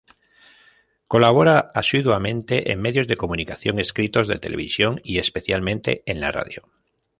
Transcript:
Colabora asiduamente en medios de comunicación escritos, de televisión y especialmente en la radio.